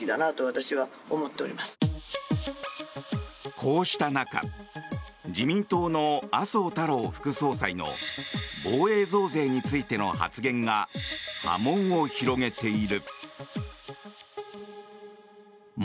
こうした中自民党の麻生太郎副総裁の防衛増税についての発言が波紋を広げている。